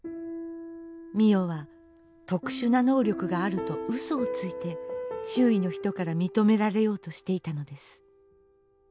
美世は特殊な能力があると嘘をついて周囲の人から認められようとしていたのです。